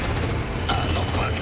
あのバカ！